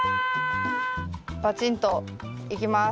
パチンといきます。